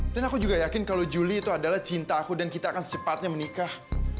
dan aku juga yakin kalau juli itu adalah cinta aku dan kita akan secepatnya menikah